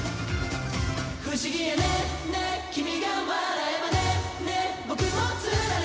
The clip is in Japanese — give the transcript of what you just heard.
「不思議やねんねぇ君が笑えばねぇねぇ僕もつられて」